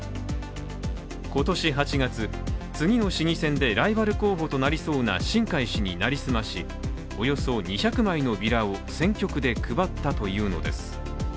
今年８月、次の市議選でライバル候補となりそうな新開氏に成り済ましおよそ２００枚のビラを選挙区で配ったというのです。